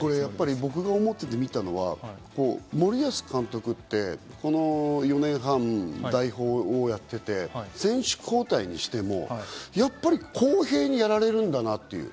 僕が思ってて見てたのは森保監督って、この４年半、代表をやっていて、選手交代にしても、やっぱり公平にやられるんだなって。